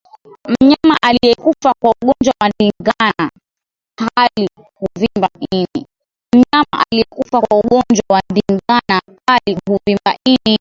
Mnyama aliyekufa kwa ugonjwa wa ndigana kali huvimba ini